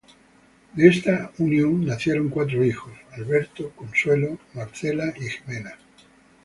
De esta unión nacieron cuatro hijos: Alberto, Consuelo, Marcela y Ximena.